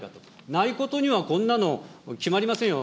ないことにはこんなの決まりませんよ。